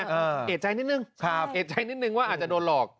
เอ่อเอกใจนิดหนึ่งครับเอกใจนิดหนึ่งว่าอาจจะโดนหลอก